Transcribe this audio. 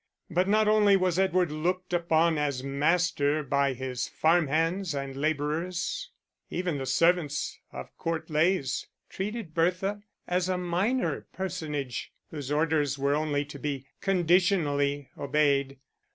But not only was Edward looked upon as master by his farm hands and labourers; even the servants of Court Leys treated Bertha as a minor personage whose orders were only to be conditionally obeyed.